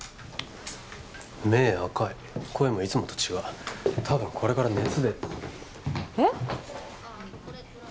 目赤い声もいつもと違うたぶんこれから熱出るえっ？